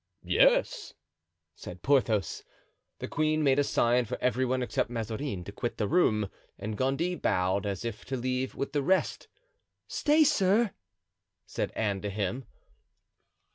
"Yes," said Porthos.) The queen made a sign for every one, except Mazarin, to quit the room; and Gondy bowed, as if to leave with the rest. "Stay, sir," said Anne to him.